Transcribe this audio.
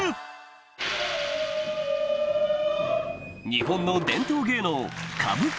日本の伝統芸能